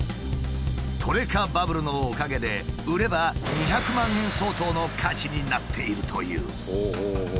トレカバブルのおかげで売れば２００万円相当の価値になっているという。